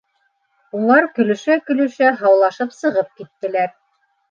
Улар көлөшә-көлөшә һаулашып сығып киттеләр.